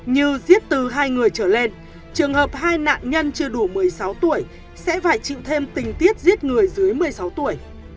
như giết từ hai người trở lên trường hợp hai nạn nhân chưa đủ một mươi sáu tuổi sẽ phải chịu thêm tình tiết giết người dưới một mươi sáu tuổi